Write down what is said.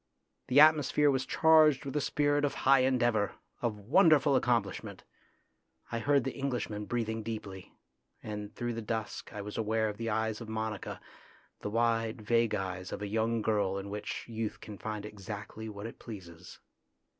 The atmosphere was charged with the spirit of high endeavour, of wonderful accomplishment. I heard the Englishman breathing deeply, and through the dusk I was aware of the eyes of Monica, the wide, vague eyes of a young girl in which youth can find exactly what it pleases.